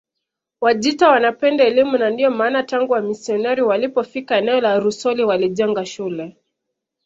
Wajita wanapenda elimu na ndiyo maana tangu wamisionari walipofika eneo la Rusoli walijenga shule